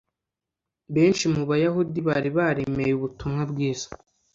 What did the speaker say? Benshi mu Bayahudi bari baremeye ubutumwa bwiza